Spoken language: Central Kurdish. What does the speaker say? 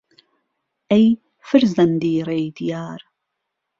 ئەی فرزهندی رێی دیار